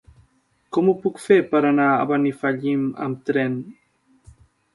Com ho puc fer per anar a Benifallim amb tren?